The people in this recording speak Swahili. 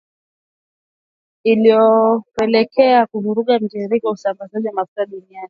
iliyopelekea kuvuruga mtiririko wa usambazaji mafuta duniani